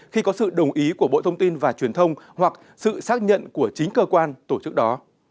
khi có sự đồng ý của bộ thông tin và truyền thông hoặc sự xác nhận của chính cơ quan tổ chức đó